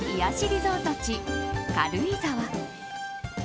リゾート地、軽井沢。